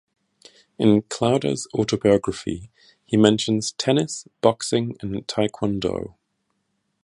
In Klouda's autobiography he mentions tennis, boxing and tae kwon do.